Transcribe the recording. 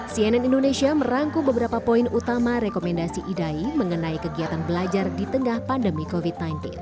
cnn indonesia merangkum beberapa poin utama rekomendasi idai mengenai kegiatan belajar di tengah pandemi covid sembilan belas